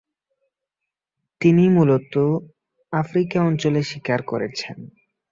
তিনি মূলত আফ্রিকা অঞ্চলে শিকার করেছেন।